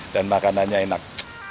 dan makanannya enak